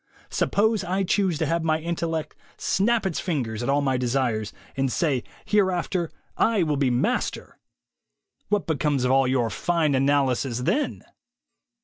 Suppose I choose to have my intellect snap its fingers at all my desires, and say 'Hereafter / will be master?' What becomes of all your fine analysis then?"